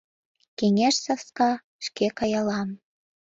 Кеҥеж саска шке каялам